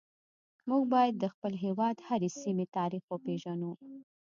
موږ باید د خپل هیواد د هرې سیمې تاریخ وپیژنو